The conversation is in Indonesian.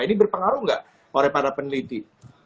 ini berpengaruh nggak oleh para peneliti